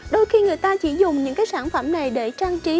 đôi khi người ta chỉ dùng những cái sản phẩm này để trang trí